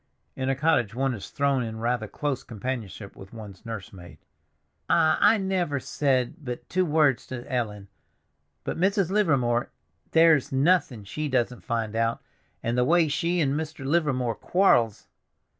In a cottage one is thrown in rather close companionship with one's nurse maid. "Ah, I never said but two words to Ellen; but Mrs. Livermore—there's nothing she doesn't find out. And the way she and Mr. Livermore quar'ls!"